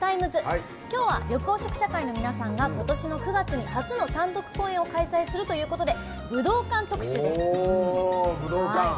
きょうは緑黄色社会の皆さんがことしの９月に初の単独公演を開催するということで武道館特集です。